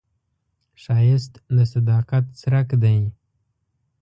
ښایست د صداقت څرک دی